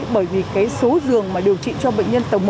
bởi vì số giường điều trị cho bệnh nhân tầng một